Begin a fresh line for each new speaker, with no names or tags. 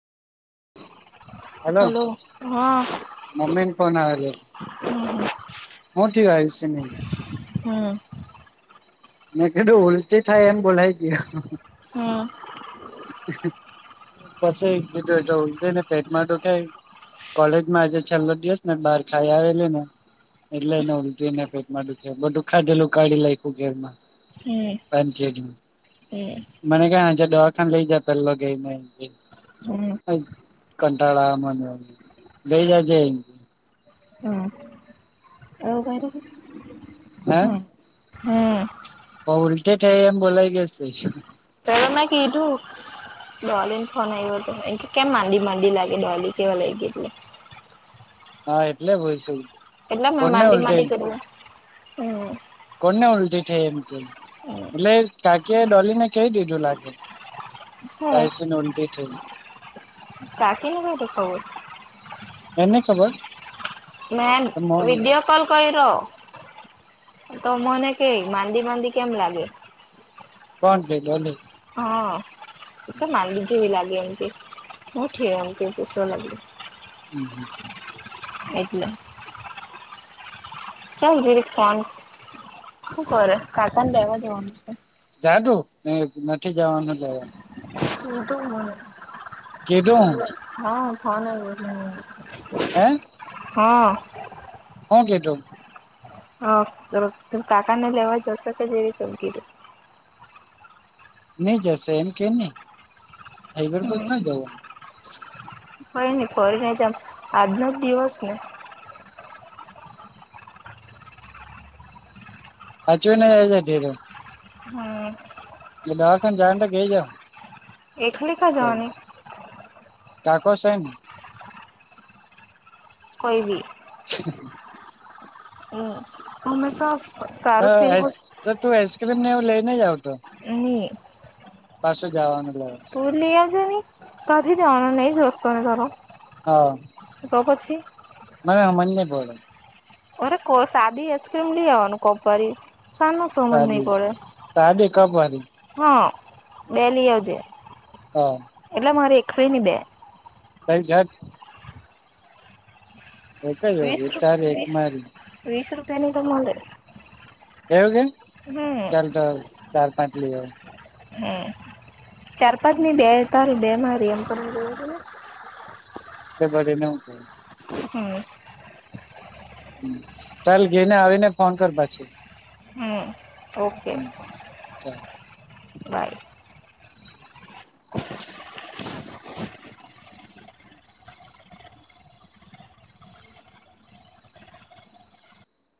Hello, મમ્મીન phone આવે છે.
હમ
હું ઠીક હ સ ન [unintelligible]
હમ.
મે કેધું ઉલટી થાય એમ બોલાય ગય.
હમ.
પછી જેટ એટ ઉલ ને પેટમાં દુખાય. કોલેજ માં આજે છેલ્લો દિવસ ને બહાર ખાઈ આવેલી ને. એટલેને ઉલટી ને પેટમાં દુખ્યા બુખાયેલું કાઢી લખું ઘેરમાં.
હમ
પંચ
હમ
મને ક આજ લઈ જ પેલોગઈ ન. કંટાળ અવે મને, ગઈ જજ.
હા. એ ઘર [unintelligible]
હા.
હમ.
હ ઉલટે થઈ એમ બોલાઈ ગ.
પેલા મેં કીધું. ડોલી ને ફોન આવ્યો હતો કે કેમ માંડી માંડી લાગે ડોલી કેવા લઈ ગઈ એટલે.
હા એટલે હોય શ.
એટલા ના માંદી માંદ ચલે હમ.
કોણને ઉલટી છે એમ કે?
હ [unintelligible]
એટલે કાકી એ ડોલીને કહી દીધું લાગે
હે
[inaudible] ઉલટી થઈ
કાકી ન બી તો ખબર
એને ખબર?
મે વીડિયો કોલ કઈ રો તો મને કઈ માંદી માંદી કેમ લાગે?
કોણ કે ડોલી?
હા એક માલવી જીવી લાગે એમતી હું ઠી એમ દુષ લાગે
[unintelligible]
એટલે? ચાલ જીરીક ફોન શું કરે કાકા ને લેવા જવાનું છે?
જાદુ નથી જવાનું લેવાનું? કીધું હું
એ હા ફને [inaudible]
હે?
હા.
શું કિધું?
હ કાકાને લેવા જશે જેવી તમે કિધું
નઈ જશે એમ કે નહી હૈબરપર ના જવા.?
કોઈ નહી ફને જમ આજનો જ દિવસ ને.?
હાચવી ને જાજે ઘેર.
હમ.
એ દવાખાને જાય તો કે જે.
એટલે?
બર કાકો છે?
કોઈ બી.
હ. [inaudible]
હમે સા
હ આ તો તું આઈસક્રીમનેવું લઈને જાઉ તો.
[inaudible]
પાછા જવાનું લેવા.
તુ લેઇ આવજે ને કાથી જાવાના નહી જસ્તો ને તાર.
હા.
તો પછે.
મે હ મને બોલ?
અરે કોઈ સાદી આઈસ્ક્રીમ લઈ આવવાનું કપારી સાનો સમજ નહીં પડે.?
સા દે એકપારી
હા બેલીઓજે
હા.
એટલે મારી એકલી ની બે.
તઈ ઘટ. [inaudible] એક જ
વીસ
ઓલી
રૂપ
તારી એક
વીસ
મારી
વીસ રૂપિયાની તમા તમાડ
એવું કે ચાલ તો ચાર પાંચ લિયો.
હમ ચાર પાચ ની બે તારી બે મારી એમ કરવાનું.
બરી નમક.
હમ.
ચાલ ગેને આવીને ફોન કર પાછી.
હમ. ઓકે
હમ ચાલ.
બાય.
હમ.